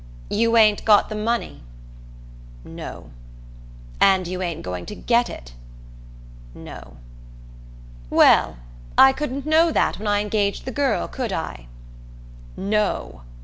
"You ain't got the money?" "No." "And you ain't going to get it?" "No." "Well, I couldn't know that when I engaged the girl, could I?" "No."